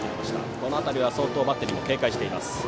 この辺りは相当バッテリーも警戒しています。